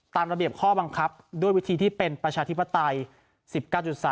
ตามระเบียบข้อบังคับด้วยวิธีที่เป็นประชาธิปไตย๑๙๓